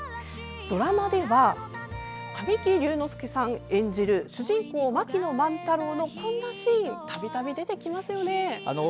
ドラマでは神木隆之介さん演じる主人公槙野万太郎のこんなシーンたびたび出てきますよね。